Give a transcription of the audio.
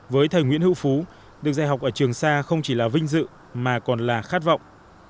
với thầy nguyễn hữu phú được dạy học ở trường xa không chỉ là vinh dự mà còn là khát vọng